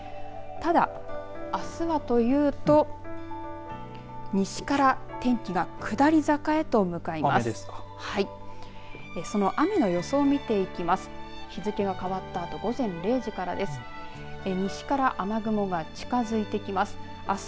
ただ、あすはというと西から天気が下り坂へと向かいます。